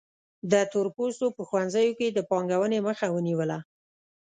د تور پوستو په ښوونځیو کې د پانګونې مخه ونیوله.